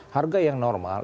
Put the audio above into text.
harga yang normal